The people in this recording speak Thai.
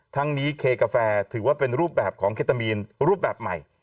ทั้งนี้เคกาแฟถือว่าเป็นรูปแบบของเคตามีนรูปแบบใหม่